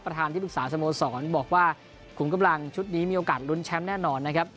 ที่ปรึกษาสโมสรบอกว่าขุมกำลังชุดนี้มีโอกาสลุ้นแชมป์แน่นอนนะครับ